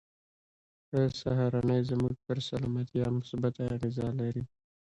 ښه سهارنۍ زموږ پر سلامتيا مثبته اغېزه لري.